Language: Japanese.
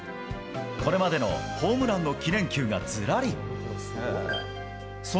これまでのホームランの記念球がずらり。